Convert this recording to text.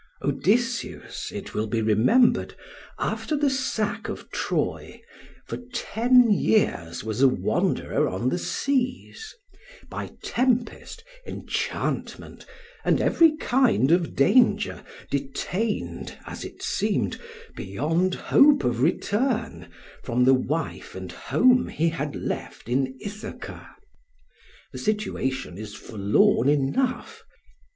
Odysseus, it will be remembered, after the sack of Troy, for ten years was a wanderer on the seas, by tempest, enchantment, and every kind of danger detained, as it seemed, beyond hope of return from the wife and home he had left in Ithaca. The situation is forlorn enough.